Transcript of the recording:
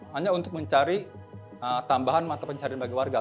hanya untuk mencari tambahan mata pencarian bagi warga